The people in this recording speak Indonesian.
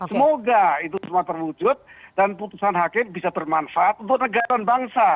semoga itu semua terwujud dan putusan hakim bisa bermanfaat untuk negara dan bangsa